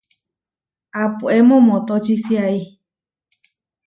Apóe momotóčisiai.